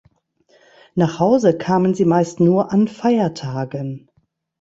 Nach Hause kamen sie meist nur an Feiertagen.